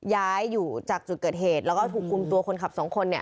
ย้ายอยู่จากจุดเกิดเหตุแล้วก็ถูกคุมตัวคนขับสองคนเนี่ย